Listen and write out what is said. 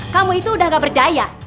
kamu itu udah gak berdaya